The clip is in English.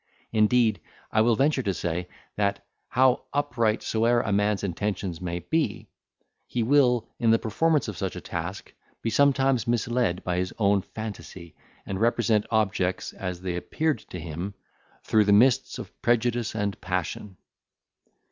Indeed, I will venture to say, that, how upright soever a man's intentions may be, he will, in the performance of such a task, be sometimes misled by his own phantasy, and represent objects, as they appeared to him, through the mists of prejudice and passion.